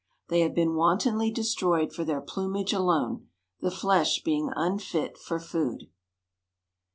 They have been wantonly destroyed for their plumage alone, the flesh being unfit for food.